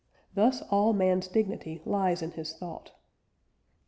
Thus all man's dignity lies in his thought."